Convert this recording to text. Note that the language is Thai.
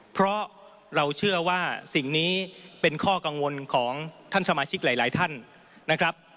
เพราะเราเชื่อว่าสิ่งนี้เป็นข้อกังวลของท่านสมาชิกหลายท่านนะครับ